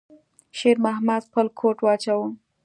شېرمحمد خپل کوټ واچاوه.